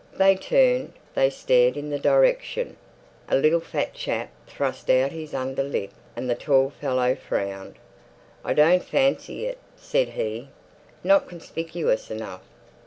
They turned, they stared in the direction. A little fat chap thrust out his under lip, and the tall fellow frowned. "I don't fancy it," said he. "Not conspicuous enough.